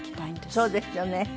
そうですよね。